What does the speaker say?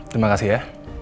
terima kasih ya